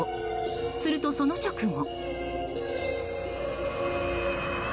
すると、その直後。